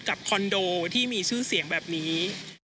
คอนโดที่มีชื่อเสียงแบบนี้